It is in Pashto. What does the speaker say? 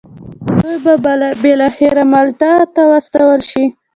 او دوی به بالاخره مالټا ته واستول شي.